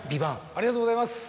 ありがとうございます。